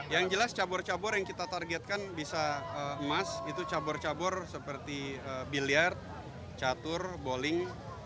yang jelas cabur cabur yang kita targetkan bisa emas itu cabur cabur seperti biliar catur bowling